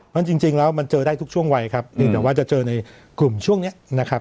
เพราะจริงแล้วมันเจอได้ทุกช่วงวัยครับเพียงแต่ว่าจะเจอในกลุ่มช่วงนี้นะครับ